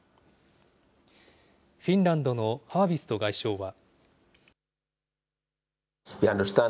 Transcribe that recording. フィンランドのハービスト外相は。